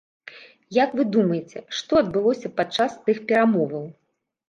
Як вы думаеце, што адбылося падчас тых перамоваў?